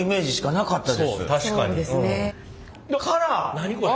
何これ？